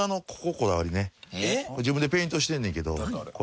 これ自分でペイントしてんねんけど。